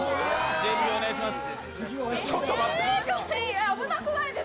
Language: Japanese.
準備をお願いします。